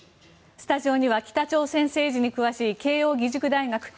スタジオには北朝鮮政治に詳しい慶應義塾大学教授